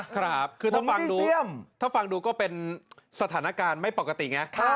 ครับคือถ้าฟังดูถ้าฟังดูก็เป็นสถานการณ์ไม่ปกติไง